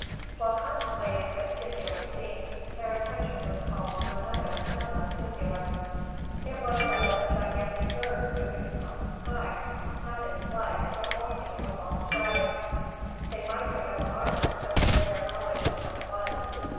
While contemplating this singular scene, their attention was called to another no less singular. It was that of a gigantic bird moving across the sky, not in flight, but walking with long strides! They might have been alarmed but for their knowledge of what it was.